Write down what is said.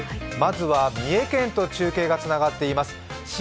まずは三重県と中継がつながっています。